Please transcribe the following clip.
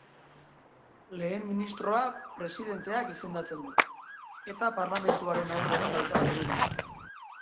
Lehen Ministroa Presidenteak izendatzen du, eta Parlamentuaren aurrean dauka ardura.